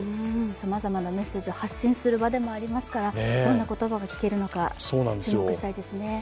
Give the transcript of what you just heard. さまざまなメッセージを発信する場でもありますからどんな言葉が聞けるのか注目したいですね。